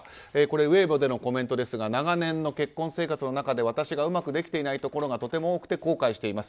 ウェイボーでのコメントですが長年の結婚生活の中で私がうまくできていないところがとても多くて後悔しています。